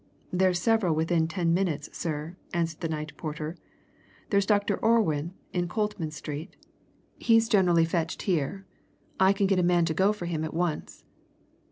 "There's several within ten minutes, sir," answered the night porter. "There's Dr. Orwin, in Coltman Street he's generally fetched here. I can get a man to go for him at once."